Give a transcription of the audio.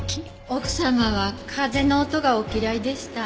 奥様は風の音がお嫌いでした。